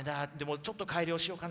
ちょっと改良しようかな。